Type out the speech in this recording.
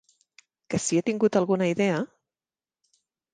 Que si he tingut alguna idea?